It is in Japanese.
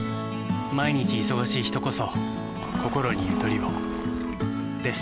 毎日忙しい人こそこころにゆとりをです。